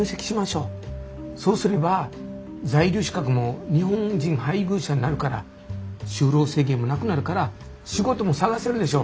そうすれば在留資格も「日本人の配偶者」になるから就労制限もなくなるから仕事も探せるでしょ。